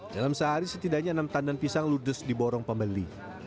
dalam sehari setidaknya enam tandan pisang ludes di borong pembeli